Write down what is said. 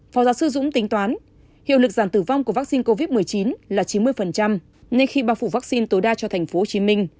phó giáo sư dũng tính toán hiệu lực giảm tử vong của vaccine covid một mươi chín là chín mươi nên khi bao phủ vaccine tối đa cho tp hcm